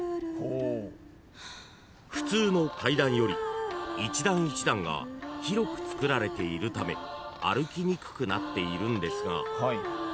［普通の階段より一段一段が広くつくられているため歩きにくくなっているんですが］